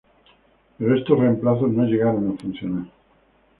Pero estos reemplazos no llegaron a funcionar.